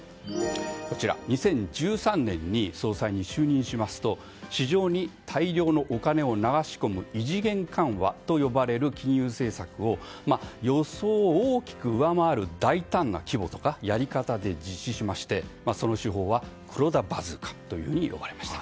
こちら、２０１３年に総裁に就任しますと市場に大量のお金を流し込む異次元緩和と呼ばれる金融政策を予想を大きく上回る大胆な規模とかやり方で実施しましてその手法は黒田バズーカと呼ばれました。